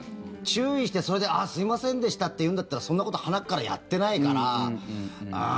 注意して、それであ、すみませんでしたって言うんだったらそんなことはなからやってないから。